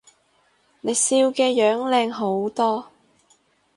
你笑嘅樣靚好多